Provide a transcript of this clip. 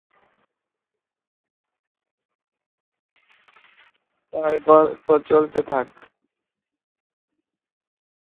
তার গল্প চলতে থাকে।